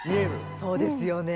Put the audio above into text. そうですよね。